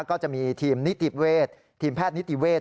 ก็จะมีทีมนิติเวศทีมแพทย์นิติเวศ